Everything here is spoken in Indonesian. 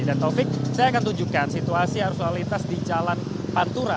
dan taufik saya akan tunjukkan situasi arusualitas di jalan pantura